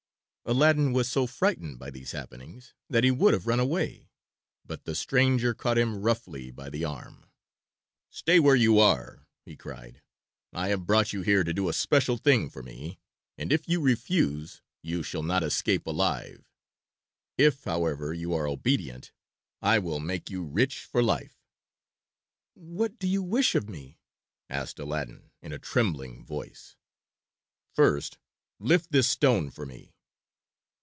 Aladdin was so frightened by these happenings that he would have run away, but the stranger caught him roughly by the arm. "Stay where you are," he cried. "I have brought you here to do a special thing for me, and if you refuse you shall not escape alive. If, however, you are obedient I will make you rich for life." "What do you wish of me?" asked Aladdin in a trembling voice. "First lift this stone for me."